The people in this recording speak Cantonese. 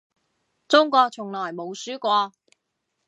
中國從來冇輸過